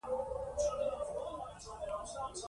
ښکلي رنگه گلان پرې رسم سوي وو.